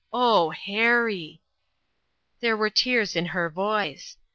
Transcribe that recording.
Oh, Harry !" There were tears in her voice.